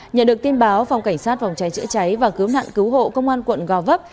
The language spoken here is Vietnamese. nhận được tin báo phòng cảnh sát phòng cháy chữa cháy và cứu nạn cứu hộ công an quận gò vấp